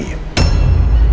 dan anda malah nekotik